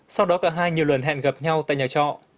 sau đó cả hai nhiều lần hẹn gặp nhau tại nhà trọ